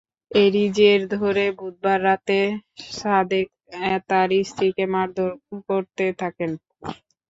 এরই জের ধরে বুধবার রাতে সাদেক তাঁর স্ত্রীকে মারধর করতে থাকেন।